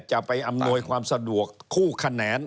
จะไปอำนวยความสะดวกคู่คะแนน